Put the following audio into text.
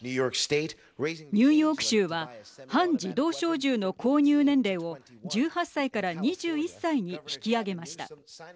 ニューヨーク州は半自動小銃の購入年齢を１８歳から２１歳に引き上げました。